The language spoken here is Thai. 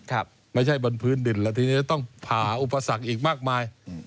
ครับไม่ใช่บนพื้นดินแล้วทีนี้จะต้องผ่าอุปสรรคอีกมากมายอืม